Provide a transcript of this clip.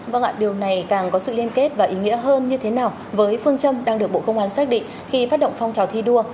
vâng ạ điều này càng có sự liên kết và ý nghĩa hơn như thế nào với phương châm đang được bộ công an xác định khi phát động phong trào thi đua